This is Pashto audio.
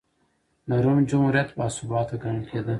د روم جمهوریت باثباته ګڼل کېده.